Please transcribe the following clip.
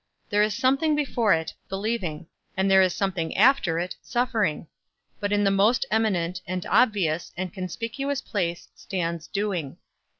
There is something before it, believing; and there is something after it, suffering; but in the most eminent, and obvious, and conspicuous place stands doing.